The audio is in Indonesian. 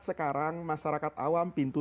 sekarang masyarakat awam pintu